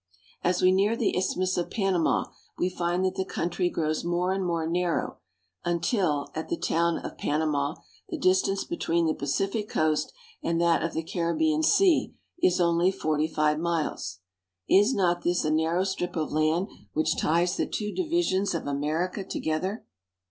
As we near the Isthmus of Panama we find that the country grows more and more narrow, until, at the town of Panama, the distance between the Pacific coast and that of the Caribbean Sea is only forty five miles. Is not this a narrow strip of land which ties the two divisions of Amer ica together?